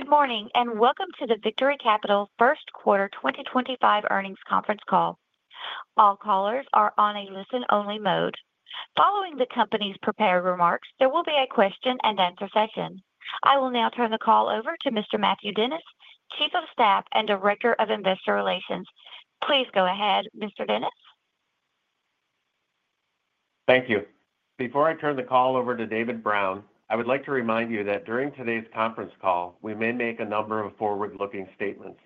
Good morning and welcome to the Victory Capital First Quarter 2025 earnings conference call. All callers are on a listen-only mode. Following the company's prepared remarks, there will be a question-and-answer session. I will now turn the call over to Mr. Matthew Dennis, Chief of Staff and Director of Investor Relations. Please go ahead, Mr. Dennis. Thank you. Before I turn the call over to David Brown, I would like to remind you that during today's conference call, we may make a number of forward-looking statements.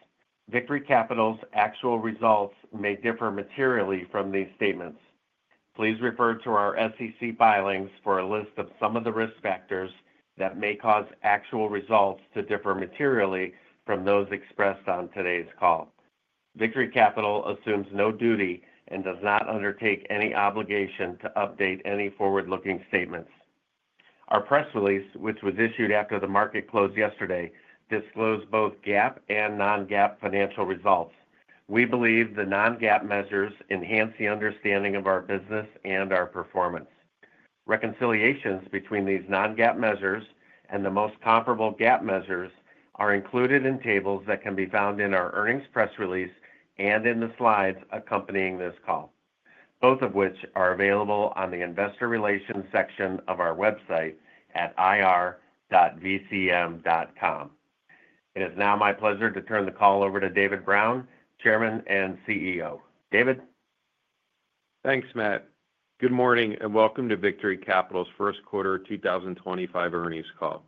Victory Capital's actual results may differ materially from these statements. Please refer to our SEC filings for a list of some of the risk factors that may cause actual results to differ materially from those expressed on today's call. Victory Capital assumes no duty and does not undertake any obligation to update any forward-looking statements. Our press release, which was issued after the market closed yesterday, disclosed both GAAP and non-GAAP financial results. We believe the non-GAAP measures enhance the understanding of our business and our performance. Reconciliations between these non-GAAP measures and the most comparable GAAP measures are included in tables that can be found in our earnings press release and in the slides accompanying this call, both of which are available on the Investor Relations section of our website at ir.vcm.com. It is now my pleasure to turn the call over to David Brown, Chairman and CEO. David. Thanks, Matt. Good morning and welcome to Victory Capital's First Quarter 2025 earnings call.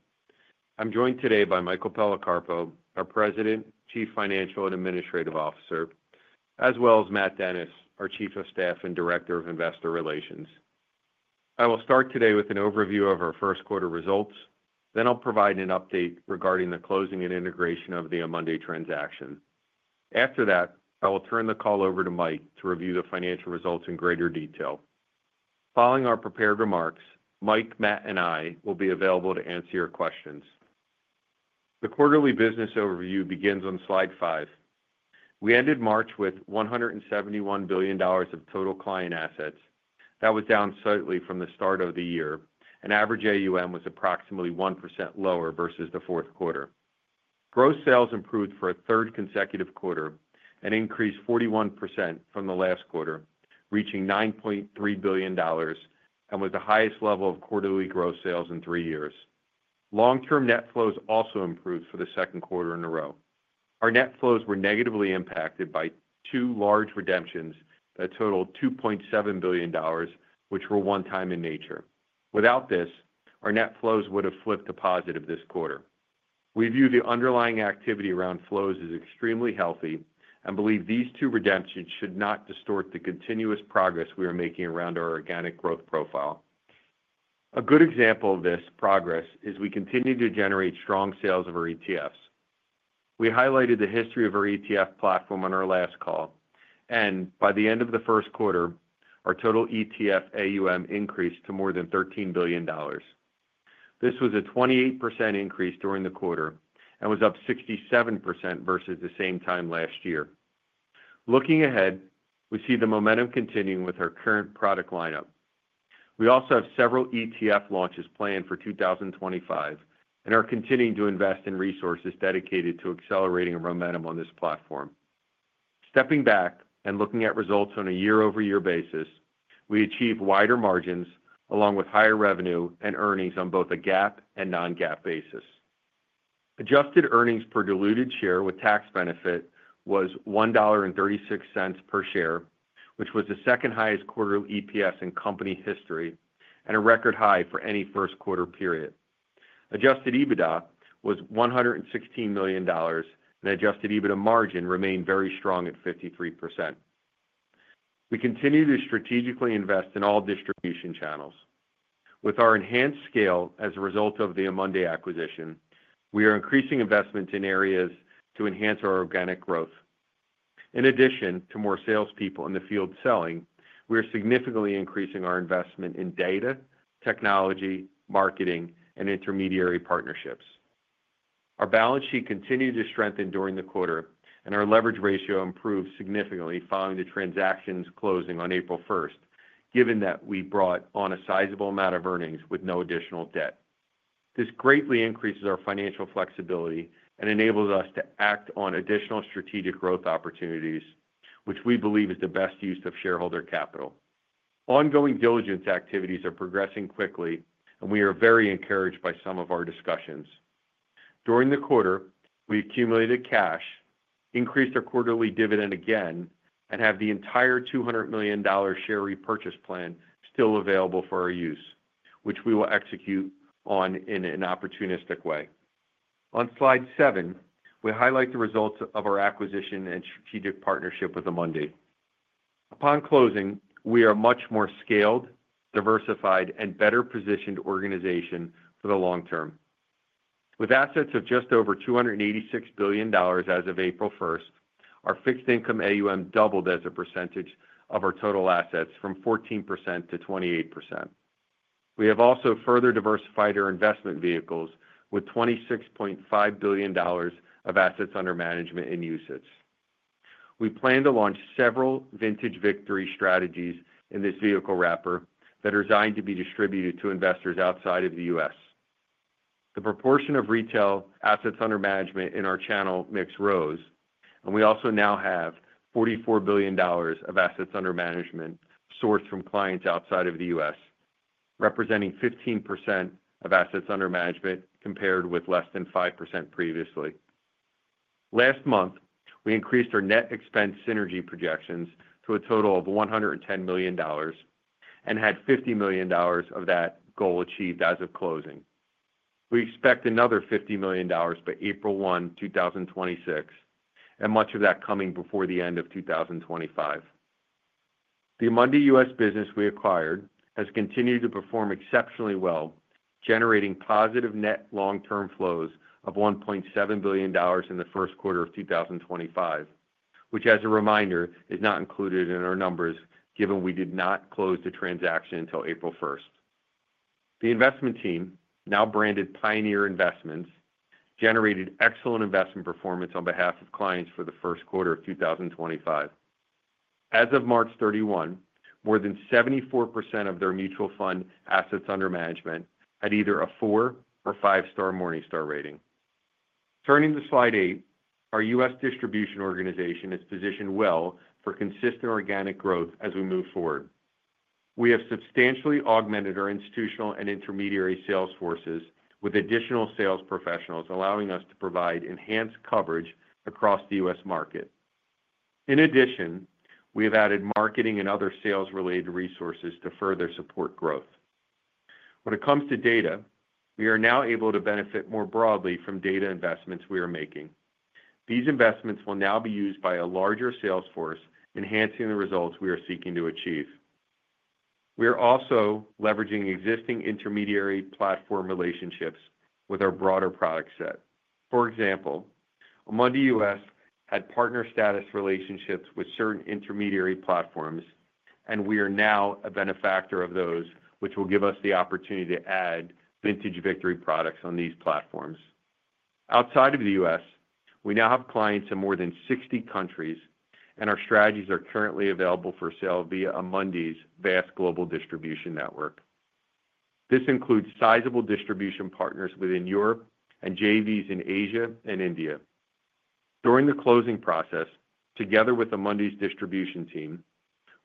I'm joined today by Michael Policarpo, our President, Chief Financial and Administrative Officer, as well as Matt Dennis, our Chief of Staff and Director of Investor Relations. I will start today with an overview of our first quarter results. Then I'll provide an update regarding the closing and integration of the Amundi transaction. After that, I will turn the call over to Mike to review the financial results in greater detail. Following our prepared remarks, Mike, Matt, and I will be available to answer your questions. The quarterly business overview begins on Slide Five. We ended March with $171 billion of total client assets. That was down slightly from the start of the year. An average AUM was approximately 1% lower versus the fourth quarter. Gross sales improved for a third consecutive quarter, an increase of 41% from the last quarter, reaching $9.3 billion and was the highest level of quarterly gross sales in three years. Long-term net flows also improved for the second quarter in a row. Our net flows were negatively impacted by two large redemptions that totaled $2.7 billion, which were one-time in nature. Without this, our net flows would have flipped to positive this quarter. We view the underlying activity around flows as extremely healthy and believe these two redemptions should not distort the continuous progress we are making around our organic growth profile. A good example of this progress is we continue to generate strong sales of our ETFs. We highlighted the history of our ETF platform on our last call, and by the end of the first quarter, our total ETF AUM increased to more than $13 billion. This was a 28% increase during the quarter and was up 67% versus the same time last year. Looking ahead, we see the momentum continuing with our current product lineup. We also have several ETF launches planned for 2025 and are continuing to invest in resources dedicated to accelerating momentum on this platform. Stepping back and looking at results on a year-over-year basis, we achieved wider margins along with higher revenue and earnings on both a GAAP and non-GAAP basis. Adjusted earnings per diluted share with tax benefit was $1.36 per share, which was the second highest quarterly EPS in company history and a record high for any first quarter period. Adjusted EBITDA was $116 million, and adjusted EBITDA margin remained very strong at 53%. We continue to strategically invest in all distribution channels. With our enhanced scale as a result of the Amundi acquisition, we are increasing investment in areas to enhance our organic growth. In addition to more salespeople in the field selling, we are significantly increasing our investment in data, technology, marketing, and intermediary partnerships. Our balance sheet continued to strengthen during the quarter, and our leverage ratio improved significantly following the transaction's closing on April 1, given that we brought on a sizable amount of earnings with no additional debt. This greatly increases our financial flexibility and enables us to act on additional strategic growth opportunities, which we believe is the best use of shareholder capital. Ongoing diligence activities are progressing quickly, and we are very encouraged by some of our discussions. During the quarter, we accumulated cash, increased our quarterly dividend again, and have the entire $200 million share repurchase plan still available for our use, which we will execute on in an opportunistic way. On slide seven, we highlight the results of our acquisition and strategic partnership with Amundi. Upon closing, we are a much more scaled, diversified, and better positioned organization for the long term. With assets of just over $286 billion as of April 1, our fixed income AUM doubled as a percentage of our total assets from 14% to 28%. We have also further diversified our investment vehicles with $26.5 billion of assets under management in UCITS. We plan to launch several vintage Victory strategies in this vehicle wrapper that are designed to be distributed to investors outside of the U.S. The proportion of retail assets under management in our channel mix rose, and we also now have $44 billion of assets under management sourced from clients outside of the U.S., representing 15% of assets under management compared with less than 5% previously. Last month, we increased our net expense synergy projections to a total of $110 million and had $50 million of that goal achieved as of closing. We expect another $50 million by April 1, 2026, and much of that coming before the end of 2025. The Amundi U.S. business we acquired has continued to perform exceptionally well, generating positive net long-term flows of $1.7 billion in the first quarter of 2025, which, as a reminder, is not included in our numbers given we did not close the transaction until April 1. The investment team, now branded Pioneer Investments, generated excellent investment performance on behalf of clients for the first quarter of 2025. As of March 31, more than 74% of their mutual fund assets under management had either a four or five-star Morningstar rating. Turning to Slide Eight, our U.S. distribution organization is positioned well for consistent organic growth as we move forward. We have substantially augmented our institutional and intermediary sales forces with additional sales professionals, allowing us to provide enhanced coverage across the US market. In addition, we have added marketing and other sales-related resources to further support growth. When it comes to data, we are now able to benefit more broadly from data investments we are making. These investments will now be used by a larger sales force, enhancing the results we are seeking to achieve. We are also leveraging existing intermediary platform relationships with our broader product set. For example, Amundi US had partner status relationships with certain intermediary platforms, and we are now a benefactor of those, which will give us the opportunity to add vintage Victory products on these platforms. Outside of the U.S., we now have clients in more than 60 countries, and our strategies are currently available for sale via Amundi's vast global distribution network. This includes sizable distribution partners within Europe and JVs in Asia and India. During the closing process, together with Amundi's distribution team,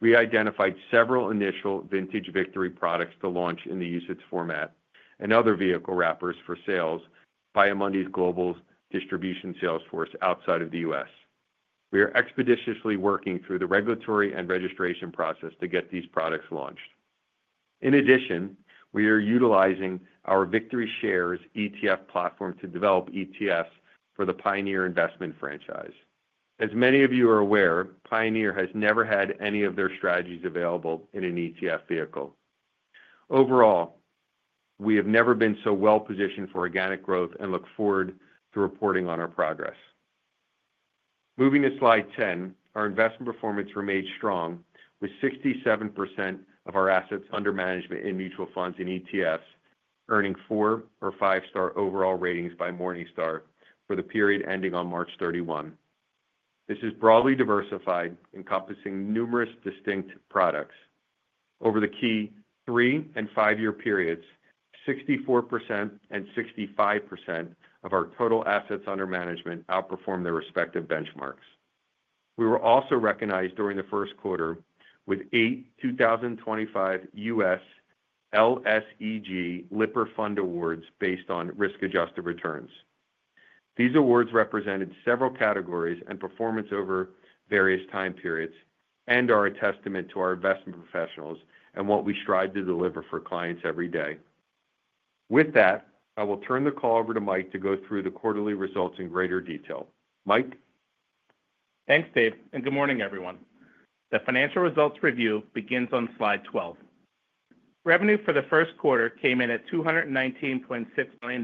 we identified several initial vintage Victory products to launch in the UCITS format and other vehicle wrappers for sales by Amundi's global distribution sales force outside of the U.S. We are expeditiously working through the regulatory and registration process to get these products launched. In addition, we are utilizing our VictoryShares ETF platform to develop ETFs for the Pioneer Investments franchise. As many of you are aware, Pioneer has never had any of their strategies available in an ETF vehicle. Overall, we have never been so well positioned for organic growth and look forward to reporting on our progress. Moving to Slide 10, our investment performance remained strong, with 67% of our assets under management in mutual funds and ETFs earning four or five-star overall ratings by Morningstar for the period ending on March 31. This is broadly diversified, encompassing numerous distinct products. Over the key three and five-year periods, 64% and 65% of our total assets under management outperformed their respective benchmarks. We were also recognized during the first quarter with eight 2025 U.S. LSEG Lipper Fund awards based on risk-adjusted returns. These awards represented several categories and performance over various time periods and are a testament to our investment professionals and what we strive to deliver for clients every day. With that, I will turn the call over to Mike to go through the quarterly results in greater detail. Mike. Thanks, Dave, and good morning, everyone. The financial results review begins on Slide 12. Revenue for the first quarter came in at $219.6 million,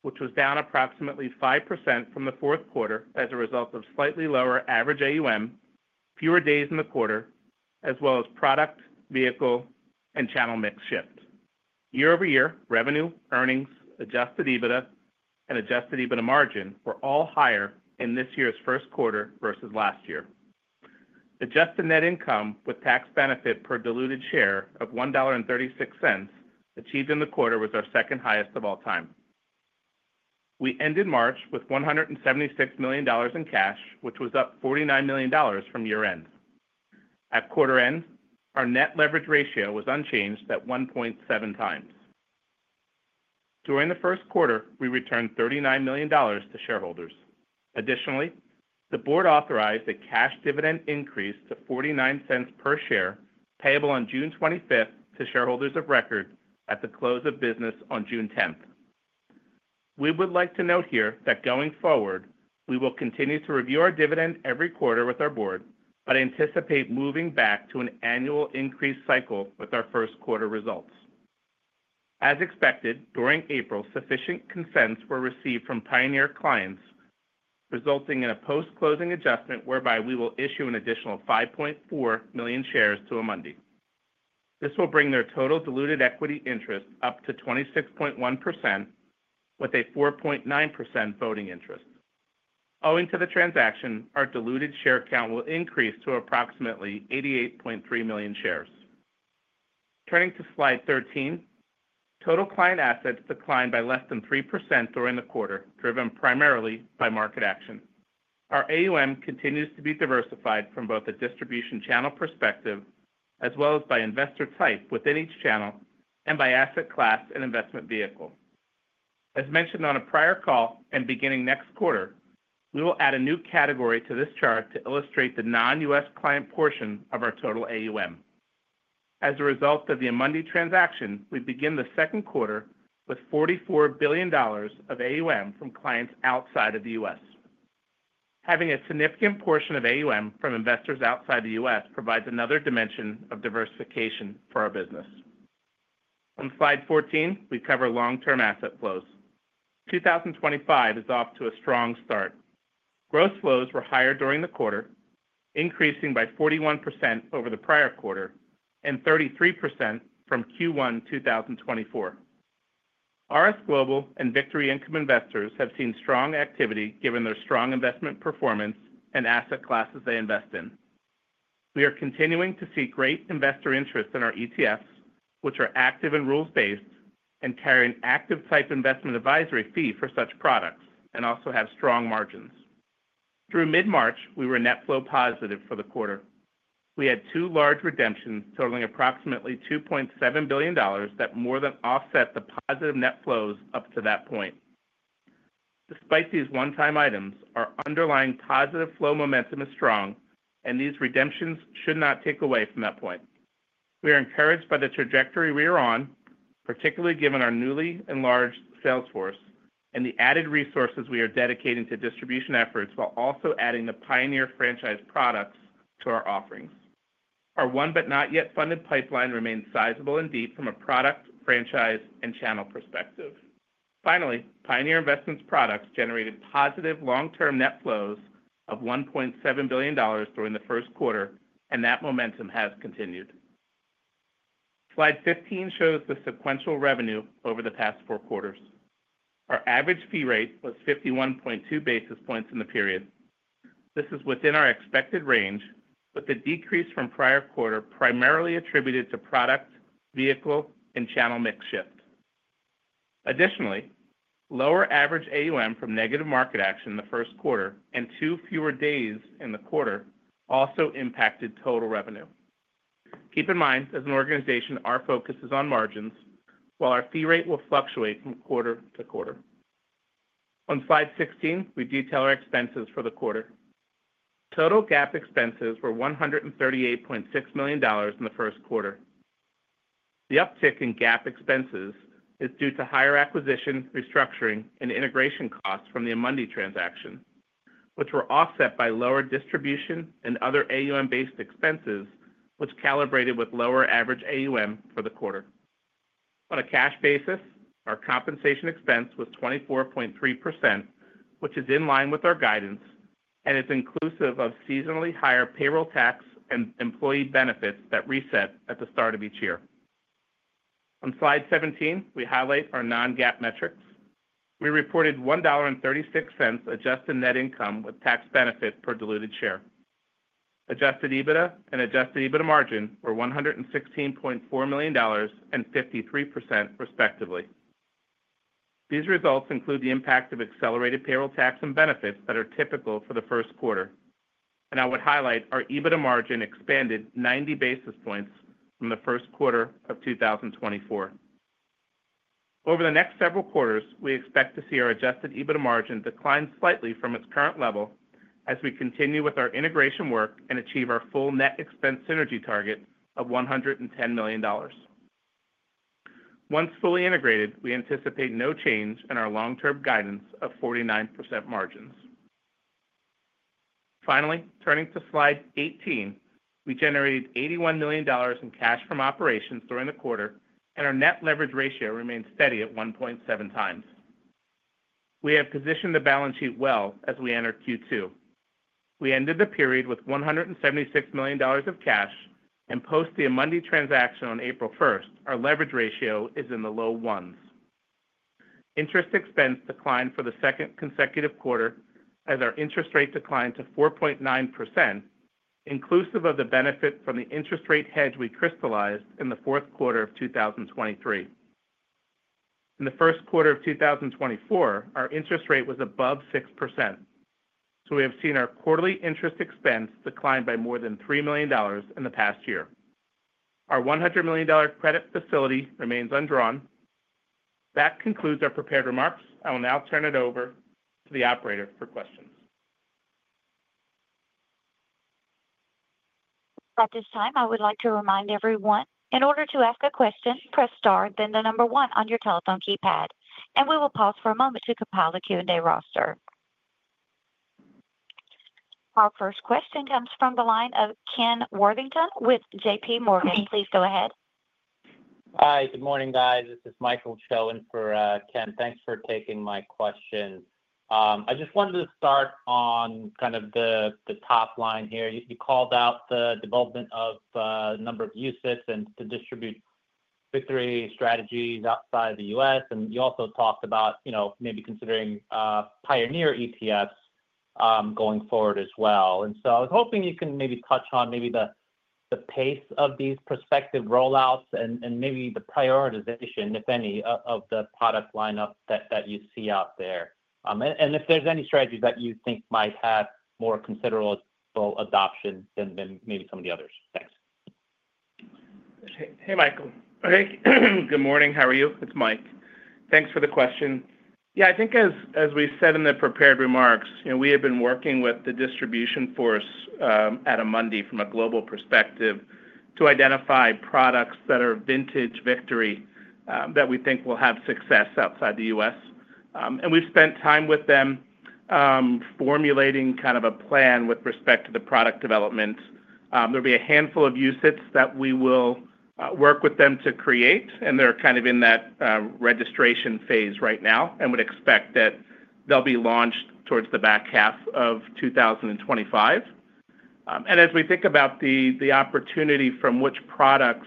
which was down approximately 5% from the fourth quarter as a result of slightly lower average AUM, fewer days in the quarter, as well as product, vehicle, and channel mix shift. Year-over-year revenue, earnings, Adjusted EBITDA, and Adjusted EBITDA margin were all higher in this year's first quarter versus last year. Adjusted net income with tax benefit per diluted share of $1.36 achieved in the quarter was our second highest of all time. We ended March with $176 million in cash, which was up $49 million from year-end. At quarter end, our net leverage ratio was unchanged at 1.7 times. During the first quarter, we returned $39 million to shareholders. Additionally, the board authorized a cash dividend increase to $0.49 per share payable on June 25 to shareholders of record at the close of business on June 10. We would like to note here that going forward, we will continue to review our dividend every quarter with our board, but anticipate moving back to an annual increase cycle with our first quarter results. As expected, during April, sufficient consents were received from Pioneer clients, resulting in a post-closing adjustment whereby we will issue an additional 5.4 million shares to Amundi. This will bring their total diluted equity interest up to 26.1% with a 4.9% voting interest. Owing to the transaction, our diluted share count will increase to approximately 88.3 million shares. Turning to Slide 13, total client assets declined by less than 3% during the quarter, driven primarily by market action. Our AUM continues to be diversified from both a distribution channel perspective as well as by investor type within each channel and by asset class and investment vehicle. As mentioned on a prior call and beginning next quarter, we will add a new category to this chart to illustrate the non-U.S. client portion of our total AUM. As a result of the Amundi transaction, we begin the second quarter with $44 billion of AUM from clients outside of the U.S. Having a significant portion of AUM from investors outside the U.S. provides another dimension of diversification for our business. On Slide 14, we cover long-term asset flows. 2025 is off to a strong start. Gross flows were higher during the quarter, increasing by 41% over the prior quarter and 33% from Q1 2024. RS Global and Victory Income Investors have seen strong activity given their strong investment performance and asset classes they invest in. We are continuing to see great investor interest in our ETFs, which are active and rules-based and carry an active-type investment advisory fee for such products and also have strong margins. Through mid-March, we were net flow positive for the quarter. We had two large redemptions totaling approximately $2.7 billion that more than offset the positive net flows up to that point. Despite these one-time items, our underlying positive flow momentum is strong, and these redemptions should not take away from that point. We are encouraged by the trajectory we are on, particularly given our newly enlarged sales force and the added resources we are dedicating to distribution efforts while also adding the Pioneer franchise products to our offerings. Our one but not yet funded pipeline remains sizable and deep from a product, franchise, and channel perspective. Finally, Pioneer Investments' products generated positive long-term net flows of $1.7 billion during the first quarter, and that momentum has continued. Slide 15 shows the sequential revenue over the past four quarters. Our average fee rate was 51.2 basis points in the period. This is within our expected range, with the decrease from prior quarter primarily attributed to product, vehicle, and channel mix shift. Additionally, lower average AUM from negative market action in the first quarter and two fewer days in the quarter also impacted total revenue. Keep in mind, as an organization, our focus is on margins, while our fee rate will fluctuate from quarter to quarter. On Slide 16, we detail our expenses for the quarter. Total GAAP expenses were $138.6 million in the first quarter. The uptick in GAAP expenses is due to higher acquisition, restructuring, and integration costs from the Amundi transaction, which were offset by lower distribution and other AUM-based expenses, which calibrated with lower average AUM for the quarter. On a cash basis, our compensation expense was 24.3%, which is in line with our guidance and is inclusive of seasonally higher payroll tax and employee benefits that reset at the start of each year. On Slide 17, we highlight our non-GAAP metrics. We reported $1.36 adjusted net income with tax benefit per diluted share. Adjusted EBITDA and Adjusted EBITDA margin were $116.4 million and 53%, respectively. These results include the impact of accelerated payroll tax and benefits that are typical for the first quarter. I would highlight our EBITDA margin expanded 90 basis points from the first quarter of 2024. Over the next several quarters, we expect to see our Adjusted EBITDA margin decline slightly from its current level as we continue with our integration work and achieve our full net expense synergy target of $110 million. Once fully integrated, we anticipate no change in our long-term guidance of 49% margins. Finally, turning to Slide 18, we generated $81 million in cash from operations during the quarter, and our net leverage ratio remained steady at 1.7 times. We have positioned the balance sheet well as we enter Q2. We ended the period with $176 million of cash, and post the Amundi transaction on April 1, our leverage ratio is in the low ones. Interest expense declined for the second consecutive quarter as our interest rate declined to 4.9%, inclusive of the benefit from the interest rate hedge we crystallized in the fourth quarter of 2023. In the first quarter of 2024, our interest rate was above 6%. So we have seen our quarterly interest expense decline by more than $3 million in the past year. Our $100 million credit facility remains undrawn. That concludes our prepared remarks. I will now turn it over to the operator for questions. At this time, I would like to remind everyone, in order to ask a question, press star, then the number one on your telephone keypad. We will pause for a moment to compile the Q&A roster. Our first question comes from the line of Ken Worthington with JPMorgan. Please go ahead. Hi, good morning, guys. This is Michael Cohen for Ken. Thanks for taking my question. I just wanted to start on kind of the top line here. You called out the development of a number of UCITS and to distribute Victory strategies outside of the U.S. You also talked about maybe considering Pioneer ETFs going forward as well. I was hoping you can maybe touch on maybe the pace of these prospective rollouts and maybe the prioritization, if any, of the product lineup that you see out there. If there's any strategies that you think might have more considerable adoption than maybe some of the others. Thanks. Hey, Michael. Good morning. How are you? It's Mike. Thanks for the question. Yeah, I think as we said in the prepared remarks, we have been working with the distribution force at Amundi from a global perspective to identify products that are vintage Victory that we think will have success outside the U.S. We have spent time with them formulating kind of a plan with respect to the product development. There will be a handful of UCITS that we will work with them to create, and they are kind of in that registration phase right now and would expect that they will be launched towards the back half of 2025. As we think about the opportunity from which products,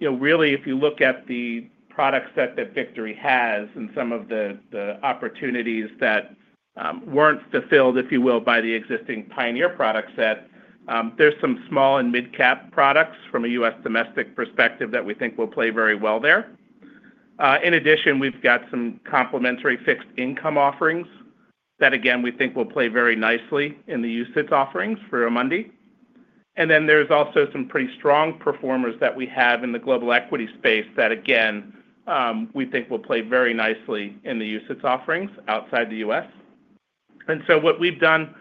really, if you look at the product set that Victory has and some of the opportunities that were not fulfilled, if you will, by the existing Pioneer product set, there are some small and mid-cap products from a U.S. domestic perspective that we think will play very well there. In addition, we have some complementary fixed income offerings that, again, we think will play very nicely in the UCITS offerings for Amundi. There are also some pretty strong performers that we have in the global equity space that, again, we think will play very nicely in the UCITS offerings outside the U.S. What we have done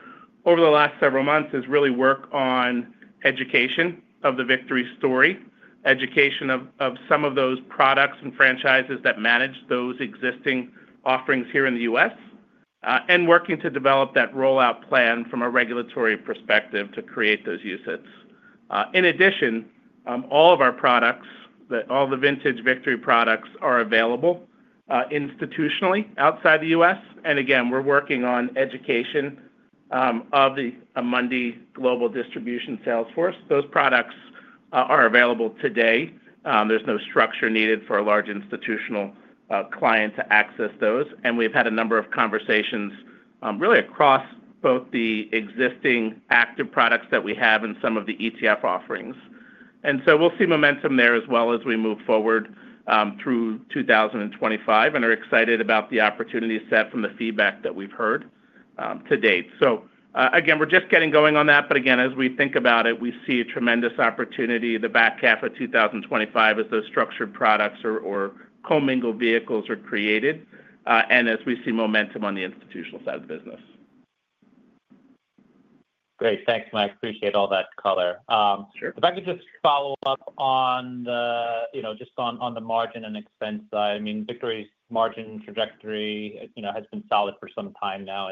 over the last several months is really work on education of the Victory story, education of some of those products and franchises that manage those existing offerings here in the U.S., and working to develop that rollout plan from a regulatory perspective to create those UCITS. In addition, all of our products, all the vintage Victory products are available institutionally outside the U.S. We are working on education of the Amundi global distribution sales force. Those products are available today. There is no structure needed for a large institutional client to access those. We have had a number of conversations really across both the existing active products that we have and some of the ETF offerings. We will see momentum there as we move forward through 2025 and are excited about the opportunity set from the feedback that we have heard to date. Again, we're just getting going on that. But again, as we think about it, we see a tremendous opportunity. The back half of 2025 as those structured products or co-mingled vehicles are created and as we see momentum on the institutional side of the business. Great. Thanks, Mike. Appreciate all that, color. If I could just follow up on just on the margin and expense side. I mean, Victory's margin trajectory has been solid for some time now.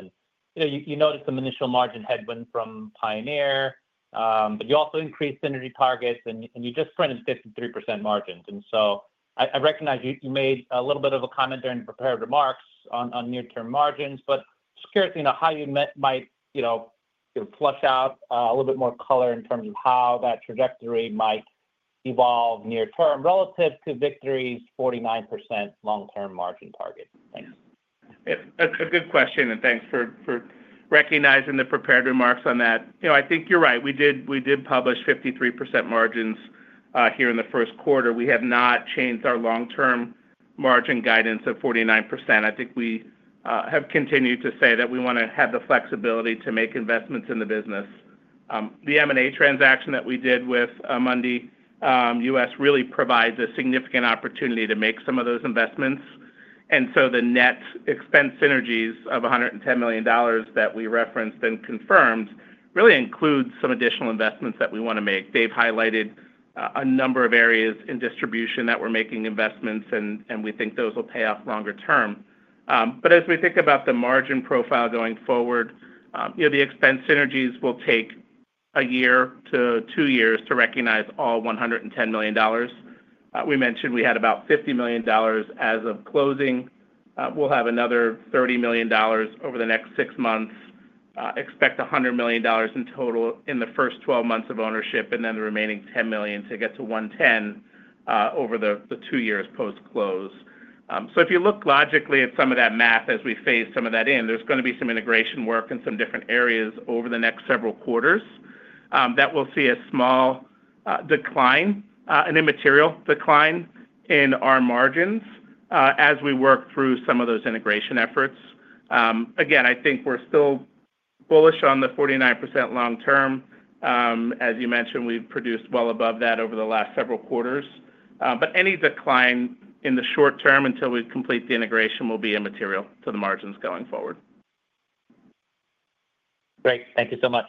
You noticed some initial margin headwind from Pioneer, but you also increased synergy targets and you just printed 53% margins. I recognize you made a little bit of a comment during the prepared remarks on near-term margins, but just curious to how you might flush out a little bit more color in terms of how that trajectory might evolve near-term relative to Victory's 49% long-term margin target. Thanks. Yeah, that's a good question. Thanks for recognizing the prepared remarks on that. I think you're right. We did publish 53% margins here in the first quarter. We have not changed our long-term margin guidance of 49%. I think we have continued to say that we want to have the flexibility to make investments in the business. The M&A transaction that we did with Amundi US really provides a significant opportunity to make some of those investments. The net expense synergies of $110 million that we referenced and confirmed really include some additional investments that we want to make. They've highlighted a number of areas in distribution that we're making investments, and we think those will pay off longer term. As we think about the margin profile going forward, the expense synergies will take a year to two years to recognize all $110 million. We mentioned we had about $50 million as of closing. We'll have another $30 million over the next six months, expect $100 million in total in the first 12 months of ownership, and then the remaining $10 million to get to $110 million over the two years post-close. If you look logically at some of that math as we phase some of that in, there's going to be some integration work in some different areas over the next several quarters that we'll see a small decline and immaterial decline in our margins as we work through some of those integration efforts. Again, I think we're still bullish on the 49% long-term. As you mentioned, we've produced well above that over the last several quarters. Any decline in the short term until we complete the integration will be immaterial to the margins going forward. Great. Thank you so much.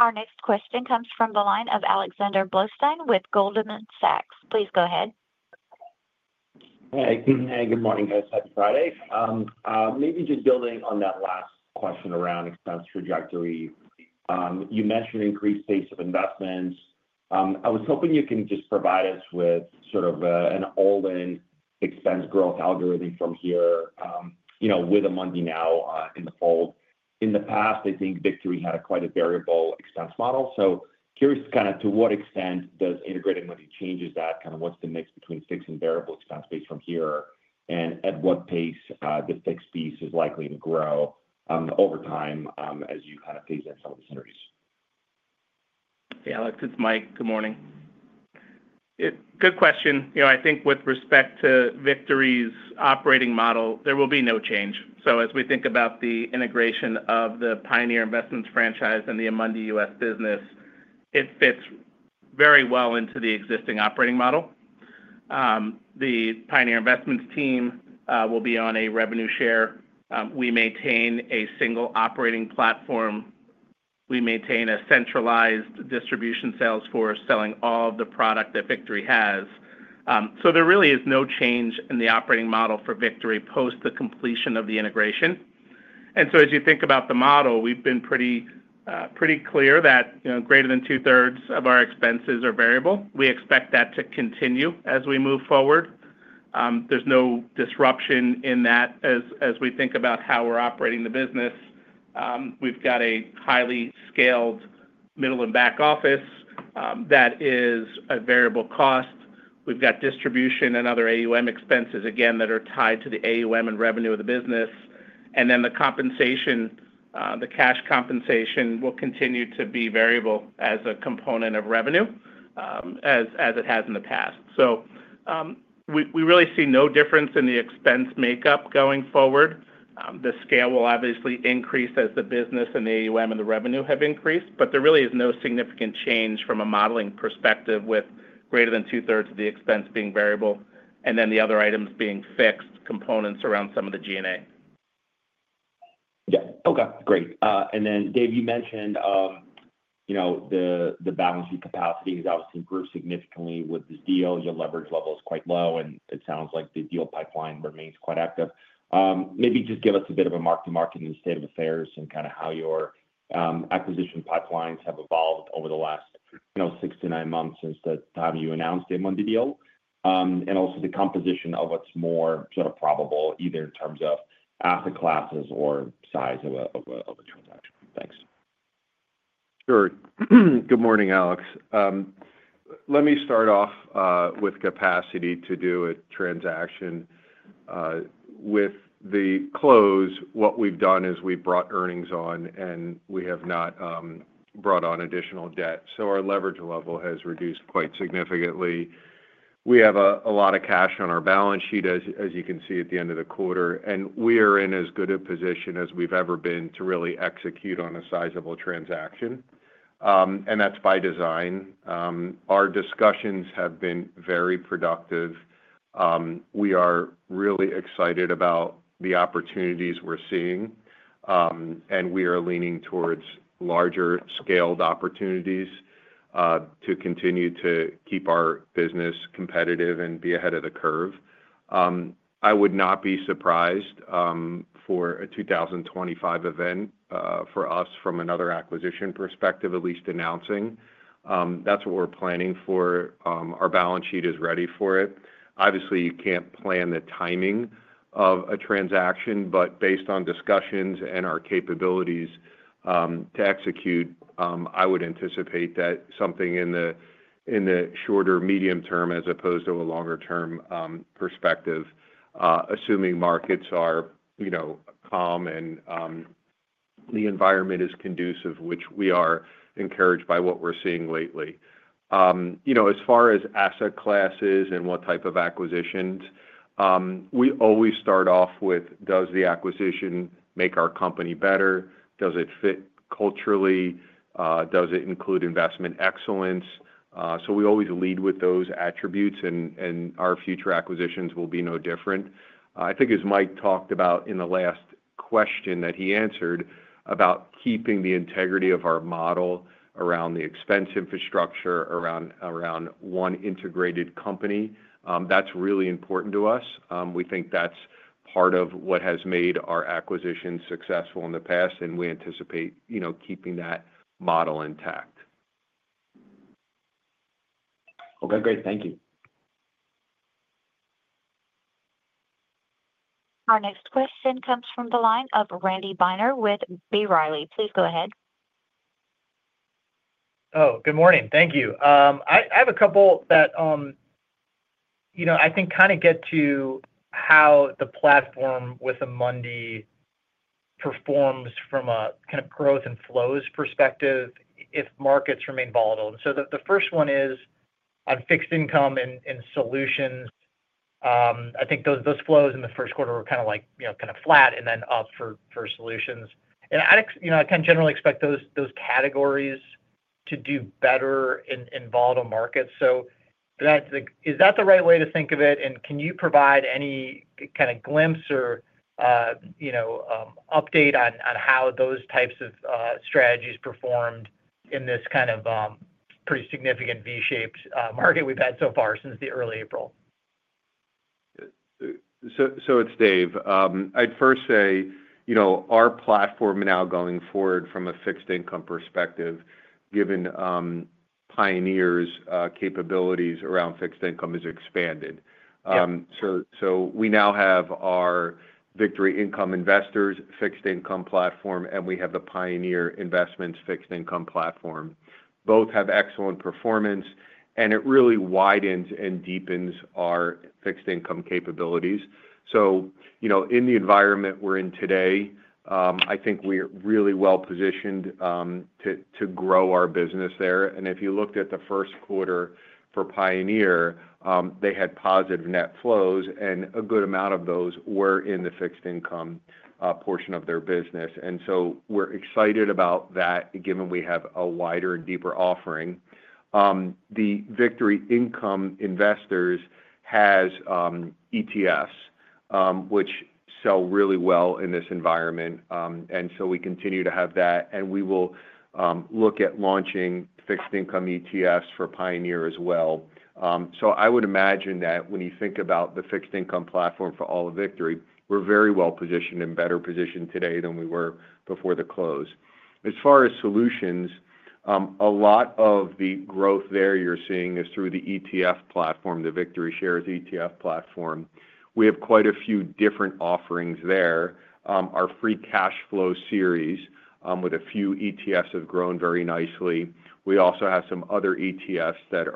Our next question comes from the line of Alexander Blostein with Goldman Sachs. Please go ahead. Hi, good morning, guys. Happy Friday. Maybe just building on that last question around expense trajectory, you mentioned increased pace of investments. I was hoping you can just provide us with sort of an all-in expense growth algorithm from here with Amundi now in the fold. In the past, I think Victory had quite a variable expense model. So curious kind of to what extent does integrated money change that? Kind of what's the mix between fixed and variable expense base from here and at what pace the fixed piece is likely to grow over time as you kind of phase in some of the synergies? Yeah, this is Mike. Good morning. Good question. I think with respect to Victory's operating model, there will be no change. As we think about the integration of the Pioneer Investments franchise and the Amundi US business, it fits very well into the existing operating model. The Pioneer Investments team will be on a revenue share. We maintain a single operating platform. We maintain a centralized distribution sales force selling all of the product that Victory has. There really is no change in the operating model for Victory post the completion of the integration. As you think about the model, we've been pretty clear that greater than two-thirds of our expenses are variable. We expect that to continue as we move forward. There's no disruption in that as we think about how we're operating the business. We've got a highly scaled middle and back office that is a variable cost. We've got distribution and other AUM expenses, again, that are tied to the AUM and revenue of the business. Then the compensation, the cash compensation will continue to be variable as a component of revenue as it has in the past. We really see no difference in the expense makeup going forward. The scale will obviously increase as the business and the AUM and the revenue have increased, but there really is no significant change from a modeling perspective with greater than two-thirds of the expense being variable and then the other items being fixed components around some of the G&A. Yeah. Okay. Great. And then, Dave, you mentioned the balance sheet capacity has obviously improved significantly with this deal. Your leverage level is quite low, and it sounds like the deal pipeline remains quite active. Maybe just give us a bit of a mark-to-market and state of affairs and kind of how your acquisition pipelines have evolved over the last six to nine months since the time you announced the Amundi deal and also the composition of what's more sort of probable, either in terms of asset classes or size of a transaction. Thanks. Sure. Good morning, Alex. Let me start off with capacity to do a transaction. With the close, what we've done is we've brought earnings on, and we have not brought on additional debt. Our leverage level has reduced quite significantly. We have a lot of cash on our balance sheet, as you can see at the end of the quarter, and we are in as good a position as we've ever been to really execute on a sizable transaction. That is by design. Our discussions have been very productive. We are really excited about the opportunities we're seeing, and we are leaning towards larger scaled opportunities to continue to keep our business competitive and be ahead of the curve. I would not be surprised for a 2025 event for us from another acquisition perspective, at least announcing. That is what we're planning for. Our balance sheet is ready for it. Obviously, you can't plan the timing of a transaction, but based on discussions and our capabilities to execute, I would anticipate that something in the shorter medium term as opposed to a longer-term perspective, assuming markets are calm and the environment is conducive, which we are encouraged by what we're seeing lately. As far as asset classes and what type of acquisitions, we always start off with, does the acquisition make our company better? Does it fit culturally? Does it include investment excellence? We always lead with those attributes, and our future acquisitions will be no different. I think as Mike talked about in the last question that he answered about keeping the integrity of our model around the expense infrastructure around one integrated company, that's really important to us. We think that's part of what has made our acquisition successful in the past, and we anticipate keeping that model intact. Okay. Great. Thank you. Our next question comes from the line of Randy Binner with B. Riley. Please go ahead. Oh, Good morning. Thank you. I have a couple that I think kind of get to how the platform with Amundi performs from a kind of growth and flows perspective if markets remain volatile. The first one is on fixed income and solutions. I think those flows in the first quarter were kind of flat and then up for solutions. I kind of generally expect those categories to do better in volatile markets. Is that the right way to think of it? Can you provide any kind of glimpse or update on how those types of strategies performed in this kind of pretty significant V-shaped market we've had so far since early April? It's Dave. I'd first say our platform now going forward from a fixed income perspective, given Pioneer's capabilities around fixed income, has expanded. We now have our Victory Income Investors fixed income platform, and we have the Pioneer Investments fixed income platform. Both have excellent performance, and it really widens and deepens our fixed income capabilities. In the environment we're in today, I think we're really well positioned to grow our business there. If you looked at the first quarter for Pioneer, they had positive net flows, and a good amount of those were in the fixed income portion of their business. We're excited about that given we have a wider and deeper offering. The Victory Income Investors has ETFs, which sell really well in this environment. We continue to have that, and we will look at launching fixed income ETFs for Pioneer as well. I would imagine that when you think about the fixed income platform for all of Victory, we are very well positioned and better positioned today than we were before the close. As far as solutions, a lot of the growth there you are seeing is through the ETF platform, the VictoryShares ETF platform. We have quite a few different offerings there. Our free cash flow series with a few ETFs have grown very nicely. We also have some other ETFs that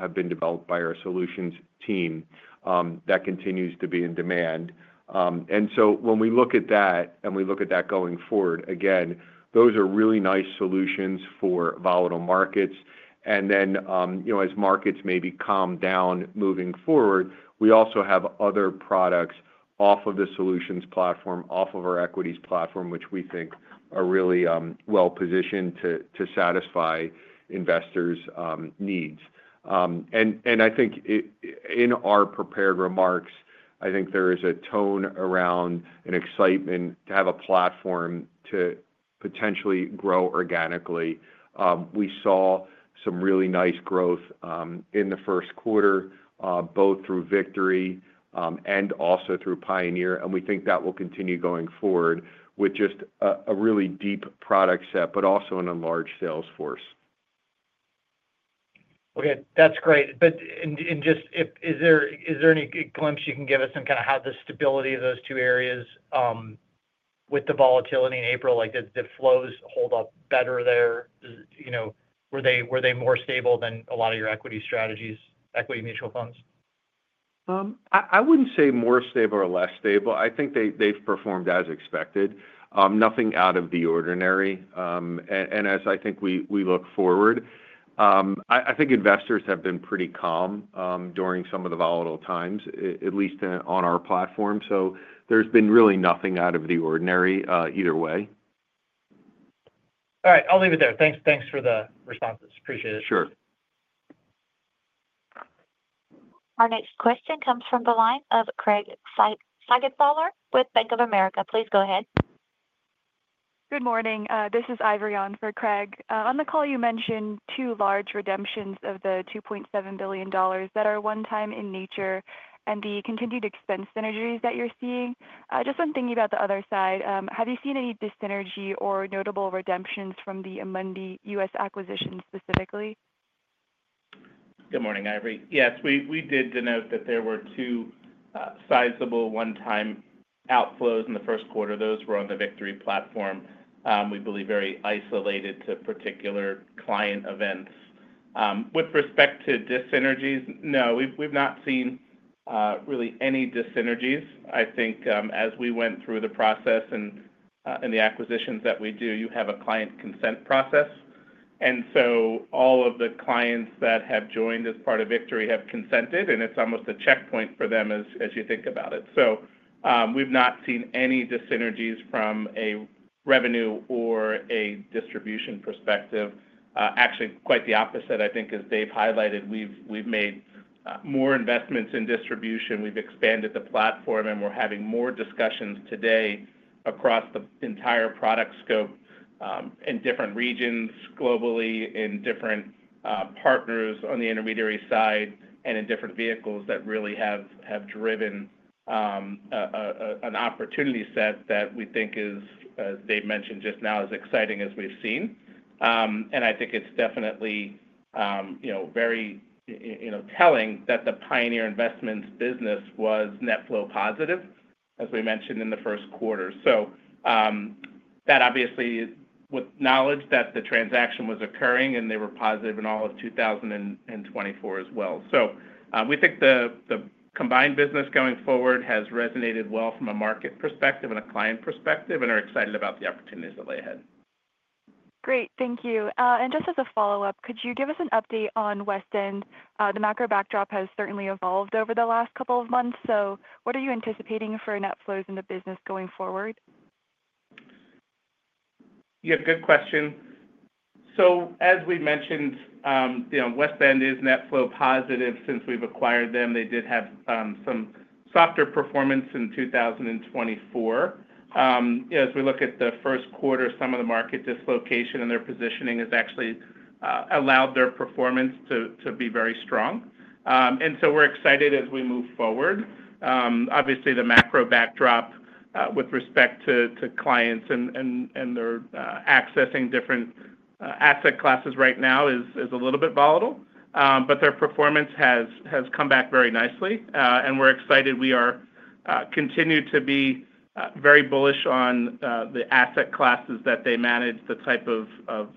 have been developed by our solutions team that continues to be in demand. When we look at that and we look at that going forward, again, those are really nice solutions for volatile markets. As markets maybe calm down moving forward, we also have other products off of the solutions platform, off of our equities platform, which we think are really well positioned to satisfy investors' needs. I think in our prepared remarks, I think there is a tone around an excitement to have a platform to potentially grow organically. We saw some really nice growth in the first quarter, both through Victory and also through Pioneer. We think that will continue going forward with just a really deep product set, but also an enlarged sales force. Okay. That's great. Just is there any glimpse you can give us on kind of how the stability of those two areas with the volatility in April, like did the flows hold up better there? Were they more stable than a lot of your equity strategies, equity mutual funds? I wouldn't say more stable or less stable. I think they've performed as expected. Nothing out of the ordinary. As I think we look forward, I think investors have been pretty calm during some of the volatile times, at least on our platform. There's been really nothing out of the ordinary either way. All right. I'll leave it there. Thanks for the responses. Appreciate it. Sure. Our next question comes from the line of Craig Sagatbalor with Bank of America. Please go ahead. Good morning. This is Ivory on for Craig. On the call, you mentioned two large redemptions of the $2.7 billion that are one-time in nature and the continued expense synergies that you're seeing. Just when thinking about the other side, have you seen any dyssynergy or notable redemptions from the Amundi US acquisition specifically? Good morning, Ivory. Yes, we did denote that there were two sizable one-time outflows in the first quarter. Those were on the Victory platform, we believe very isolated to particular client events. With respect to dyssynergies, no, we've not seen really any dyssynergies. I think as we went through the process and the acquisitions that we do, you have a client consent process. All of the clients that have joined as part of Victory have consented, and it's almost a checkpoint for them as you think about it. We've not seen any dyssynergies from a revenue or a distribution perspective. Actually, quite the opposite, I think, as Dave highlighted, we've made more investments in distribution. We've expanded the platform, and we're having more discussions today across the entire product scope in different regions globally, in different partners on the intermediary side, and in different vehicles that really have driven an opportunity set that we think is, as Dave mentioned just now, as exciting as we've seen. I think it's definitely very telling that the Pioneer Investments business was net flow positive, as we mentioned in the first quarter. That obviously, with knowledge that the transaction was occurring, and they were positive in all of 2024 as well. We think the combined business going forward has resonated well from a market perspective and a client perspective and are excited about the opportunities that lay ahead. Great. Thank you. Just as a follow-up, could you give us an update on WestEnd? The macro backdrop has certainly evolved over the last couple of months. What are you anticipating for net flows in the business going forward? Yeah. Good question. As we mentioned, WestEnd is net flow positive since we've acquired them. They did have some softer performance in 2024. As we look at the first quarter, some of the market dislocation and their positioning has actually allowed their performance to be very strong. We are excited as we move forward. Obviously, the macro backdrop with respect to clients and their accessing different asset classes right now is a little bit volatile, but their performance has come back very nicely. We are excited. We are continuing to be very bullish on the asset classes that they manage, the type of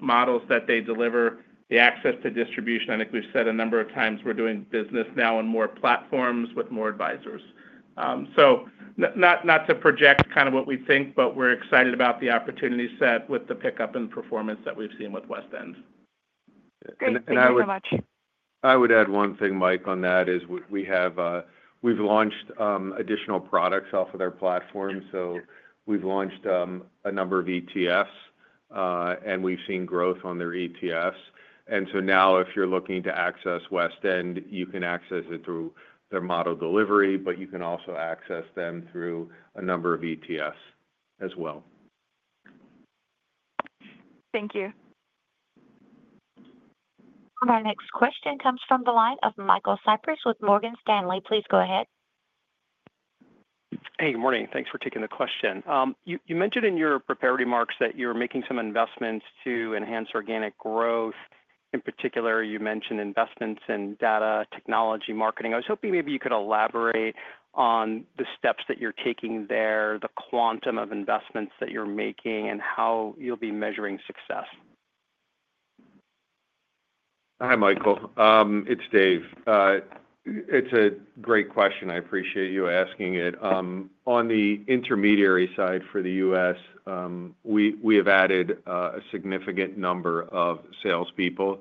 models that they deliver, the access to distribution. I think we've said a number of times we're doing business now on more platforms with more advisors. Not to project kind of what we think, but we're excited about the opportunity set with the pickup in performance that we've seen with WestEnd. Thank you so much. I would add one thing, Mike, on that is we've launched additional products off of their platform. We've launched a number of ETFs, and we've seen growth on their ETFs. Now if you're looking to access WestEnd, you can access it through their model delivery, but you can also access them through a number of ETFs as well. Thank you. Our next question comes from the line of Michael Cyprys with Morgan Stanley. Please go ahead. Hey, good morning. Thanks for taking the question. You mentioned in your prepared remarks that you're making some investments to enhance organic growth. In particular, you mentioned investments in data, technology, marketing. I was hoping maybe you could elaborate on the steps that you're taking there, the quantum of investments that you're making, and how you'll be measuring success. Hi, Michael. It's Dave. It's a great question. I appreciate you asking it. On the intermediary side for the U.S., we have added a significant number of salespeople.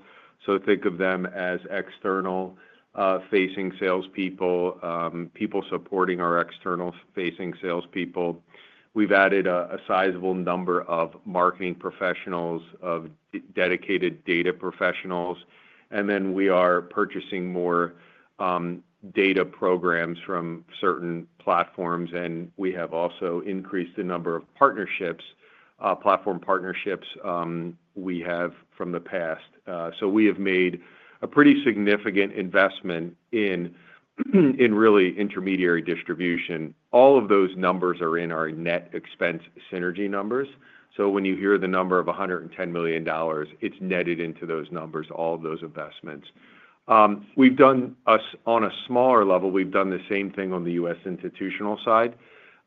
Think of them as external-facing salespeople, people supporting our external-facing salespeople. We've added a sizable number of marketing professionals, of dedicated data professionals. We are purchasing more data programs from certain platforms, and we have also increased the number of platform partnerships we have from the past. We have made a pretty significant investment in really intermediary distribution. All of those numbers are in our net expense synergy numbers. When you hear the number of $110 million, it's netted into those numbers, all of those investments. On a smaller level, we've done the same thing on the U.S. institutional side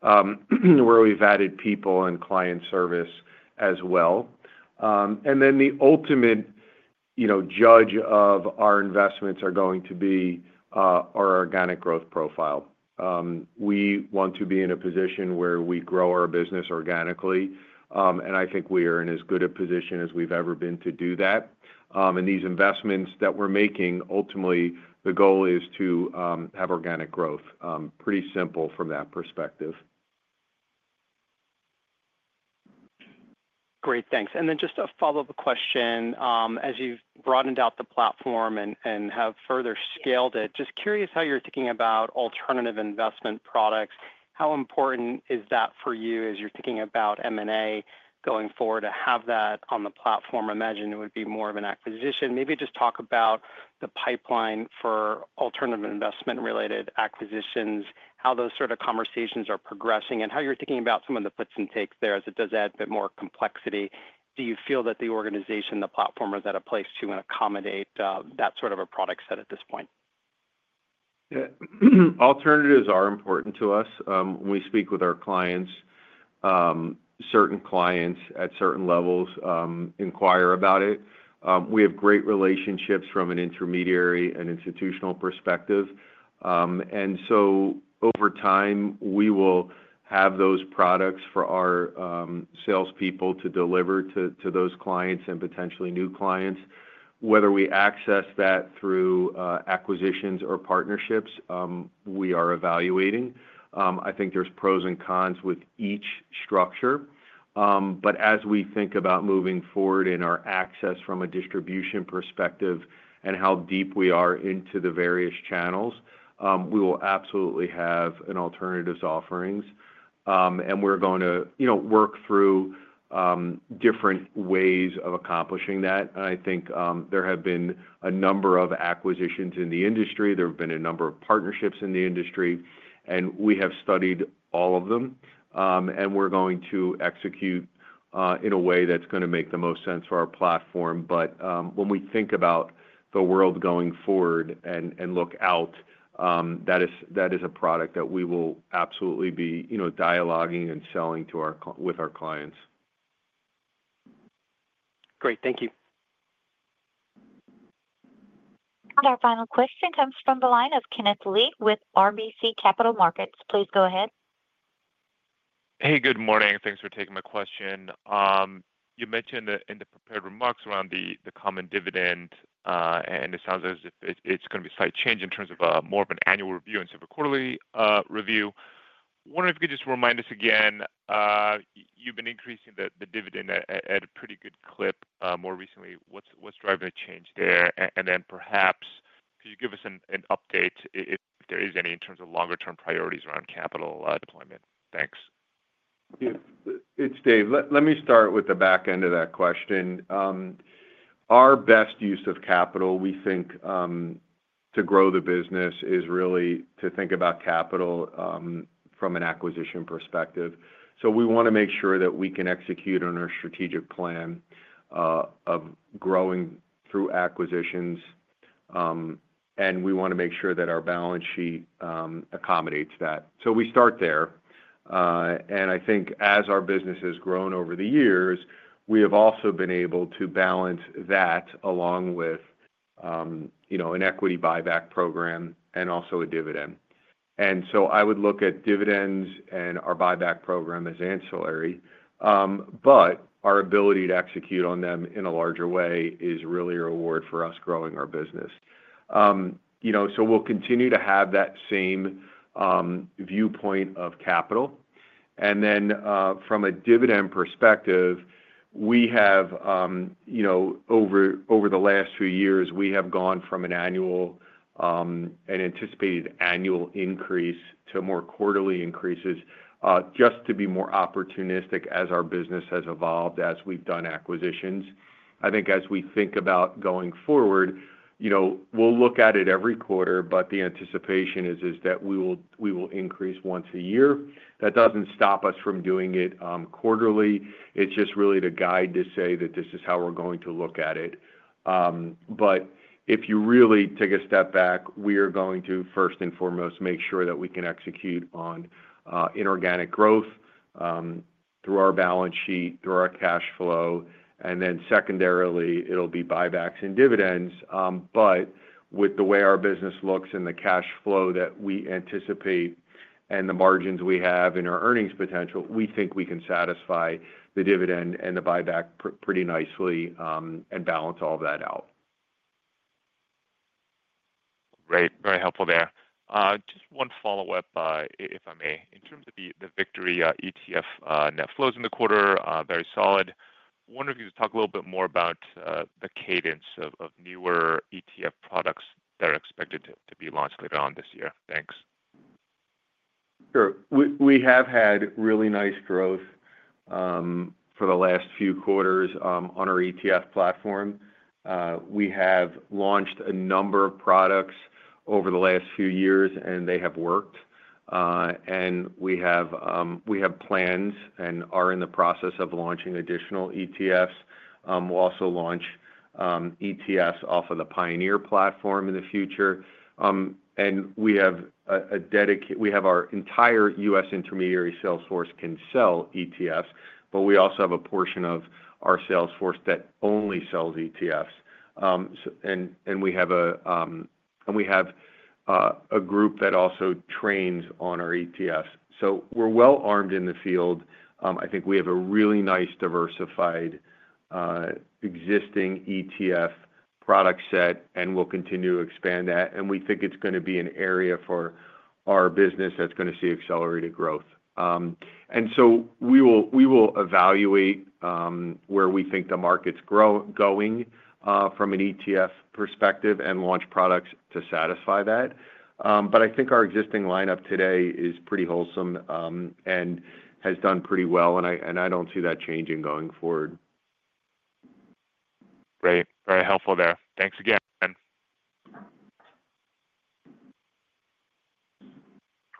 where we've added people and client service as well. The ultimate judge of our investments are going to be our organic growth profile. We want to be in a position where we grow our business organically. I think we are in as good a position as we've ever been to do that. These investments that we're making, ultimately, the goal is to have organic growth. Pretty simple from that perspective. Great. Thanks. Just a follow-up question. As you've broadened out the platform and have further scaled it, just curious how you're thinking about alternative investment products. How important is that for you as you're thinking about M&A going forward to have that on the platform? I imagine it would be more of an acquisition. Maybe just talk about the pipeline for alternative investment-related acquisitions, how those sort of conversations are progressing, and how you're thinking about some of the fits and takes there as it does add a bit more complexity. Do you feel that the organization, the platform, is at a place to accommodate that sort of a product set at this point? Alternatives are important to us. When we speak with our clients, certain clients at certain levels inquire about it. We have great relationships from an intermediary and institutional perspective. Over time, we will have those products for our salespeople to deliver to those clients and potentially new clients. Whether we access that through acquisitions or partnerships, we are evaluating. I think there are pros and cons with each structure. As we think about moving forward in our access from a distribution perspective and how deep we are into the various channels, we will absolutely have alternatives offerings. We are going to work through different ways of accomplishing that. I think there have been a number of acquisitions in the industry. There have been a number of partnerships in the industry. We have studied all of them. We're going to execute in a way that's going to make the most sense for our platform. When we think about the world going forward and look out, that is a product that we will absolutely be dialoguing and selling with our clients. Great. Thank you. Our final question comes from the line of Kenneth Lee with RBC Capital Markets. Please go ahead. Hey, good morning. Thanks for taking my question. You mentioned in the prepared remarks around the common dividend, and it sounds as if it's going to be a slight change in terms of more of an annual review instead of a quarterly review. I wonder if you could just remind us again. You've been increasing the dividend at a pretty good clip more recently. What's driving the change there? Perhaps could you give us an update, if there is any, in terms of longer-term priorities around capital deployment? Thanks. It's Dave. Let me start with the back end of that question. Our best use of capital, we think, to grow the business is really to think about capital from an acquisition perspective. We want to make sure that we can execute on our strategic plan of growing through acquisitions. We want to make sure that our balance sheet accommodates that. We start there. I think as our business has grown over the years, we have also been able to balance that along with an equity buyback program and also a dividend. I would look at dividends and our buyback program as ancillary. Our ability to execute on them in a larger way is really a reward for us growing our business. We will continue to have that same viewpoint of capital. From a dividend perspective, we have over the last few years gone from an anticipated annual increase to more quarterly increases just to be more opportunistic as our business has evolved as we have done acquisitions. I think as we think about going forward, we will look at it every quarter, but the anticipation is that we will increase once a year. That does not stop us from doing it quarterly. It is just really the guide to say that this is how we are going to look at it. If you really take a step back, we are going to, first and foremost, make sure that we can execute on inorganic growth through our balance sheet, through our cash flow. Secondarily, it will be buybacks and dividends. With the way our business looks and the cash flow that we anticipate and the margins we have and our earnings potential, we think we can satisfy the dividend and the buyback pretty nicely and balance all that out. Great. Very helpful there. Just one follow-up, if I may. In terms of the Victory ETF net flows in the quarter, very solid. I wonder if you could talk a little bit more about the cadence of newer ETF products that are expected to be launched later on this year. Thanks. Sure. We have had really nice growth for the last few quarters on our ETF platform. We have launched a number of products over the last few years, and they have worked. We have plans and are in the process of launching additional ETFs. We will also launch ETFs off of the Pioneer platform in the future. We have our entire U.S. intermediary salesforce that can sell ETFs, but we also have a portion of our salesforce that only sells ETFs. We have a group that also trains on our ETFs. We are well armed in the field. I think we have a really nice diversified existing ETF product set, and we will continue to expand that. We think it is going to be an area for our business that is going to see accelerated growth. We will evaluate where we think the market's going from an ETF perspective and launch products to satisfy that. I think our existing lineup today is pretty wholesome and has done pretty well. I do not see that changing going forward. Great. Very helpful there. Thanks again.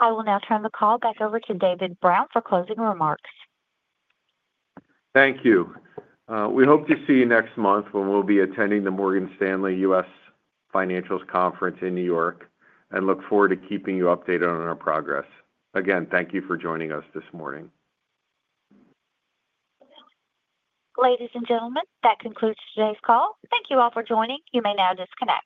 I will now turn the call back over to David Brown for closing remarks. Thank you. We hope to see you next month when we'll be attending the Morgan Stanley US Financials Conference in New York and look forward to keeping you updated on our progress. Again, thank you for joining us this morning. Ladies and gentlemen, that concludes today's call. Thank you all for joining. You may now disconnect.